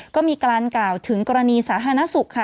ก็มีการกล่าวถึงกรณีสาธารณสุขค่ะ